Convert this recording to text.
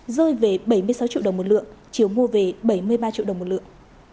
rơi về bảy mươi sáu triệu đồng một lượng chiều mua về bảy mươi ba triệu đồng một lượng